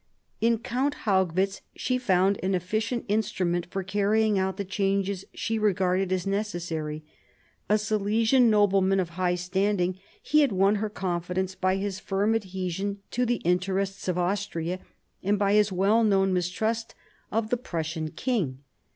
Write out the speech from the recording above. In Count Haugwitz she found an efficient instrument for carrying^eui the changes she regarded as necessary. A Silesian nobleman of high standing, he had won her confidence by his firm adhesion to the interests of Austria and by his well known mistrust of the Prussian king.